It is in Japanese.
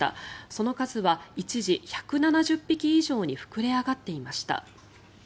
その数は一時、１７０匹以上に膨れ上がっていました。